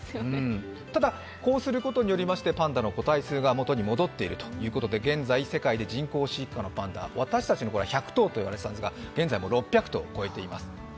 ただ、こうすることによりましてパンダの個体数が元に戻っているということで、現在人工飼育のパンダ私たちのころは１００頭と言われていたんですが、現在は６００頭を超えています。